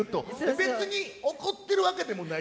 別に怒ってるわけでもない？